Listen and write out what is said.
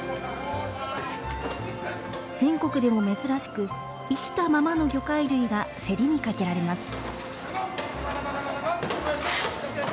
全国でも珍しく生きたままの魚介類が競りにかけられます。